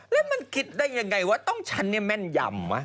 แล้วมันคิดได้ยังไงว่าต้องฉันเนี่ยแม่นยำวะ